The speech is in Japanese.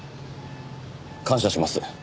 感謝します。